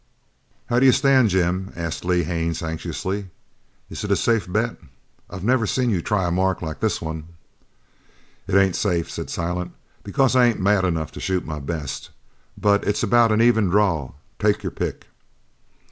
"How do you stand, Jim?" asked Lee Haines anxiously. "Is it a safe bet? I've never seen you try a mark like this one!" "It ain't safe," said Silent, "because I ain't mad enough to shoot my best, but it's about an even draw. Take your pick."